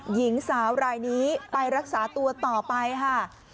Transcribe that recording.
หญิงสาวรายนี้ไปรักษาตัวต่อไปค่ะ